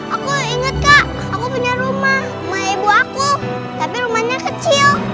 aku inget kak aku punya rumah rumah ibu aku tapi rumahnya kecil